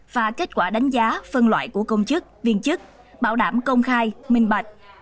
và kết quả đánh giá phân loại của công chức viên chức bảo đảm công khai minh bạch